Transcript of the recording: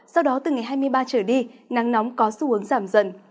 sau đó từ ngày hai mươi ba trở đi nắng nóng có xu hướng giảm dần